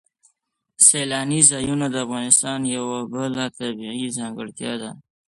سیلاني ځایونه د افغانستان یوه بله طبیعي ځانګړتیا ده.